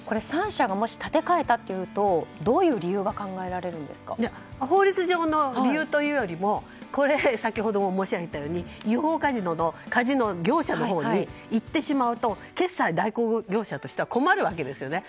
３社がもし立て替えたということになると法律上の理由というよりも先ほども申し上げたように違法カジノのカジノ業者のほうにいってしまうと決済代行業者としては困るわけですね。